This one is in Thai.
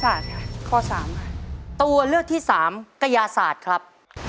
ค่ะข้อสามค่ะตัวเลือกที่สามกระยาศาสตร์ครับ